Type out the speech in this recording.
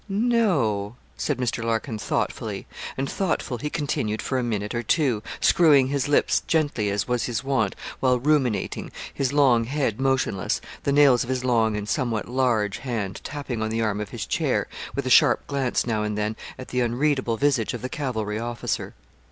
'No,' said Mr. Larkin, thoughtfully; and thoughtful he continued for a minute or two, screwing his lips gently, as was his wont, while ruminating, his long head motionless, the nails of his long and somewhat large hand tapping on the arm of his chair, with a sharp glance now and then at the unreadable visage of the cavalry officer.